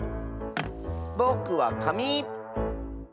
ぼくはかみ！